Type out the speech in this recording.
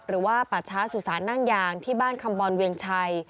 หรือว่าป่าช้าสุสานนั่งยางที่บ้านคำบอลเวียงชัย